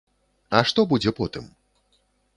А што будзе потым?